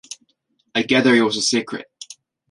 I gather it was a secret.